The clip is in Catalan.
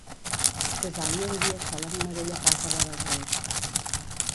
Tesalio vivia sol en una vella casa vora el riu.